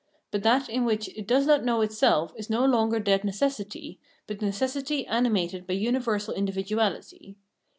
But that in which it does not know itself is no longer dead necessity, but necessity animated by uni versal individuality.